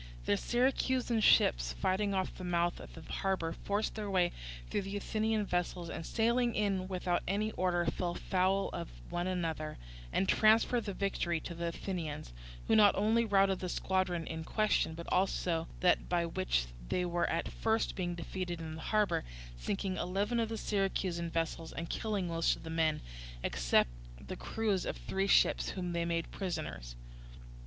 The Syracusan ships fighting off the mouth of the harbour forced their way through the Athenian vessels and sailing in without any order fell foul of one another, and transferred the victory to the Athenians; who not only routed the squadron in question, but also that by which they were at first being defeated in the harbour, sinking eleven of the Syracusan vessels and killing most of the men, except the crews of three ships whom they made prisoners.